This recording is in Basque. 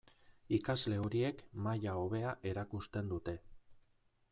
Ikasle horiek maila hobea erakusten dute.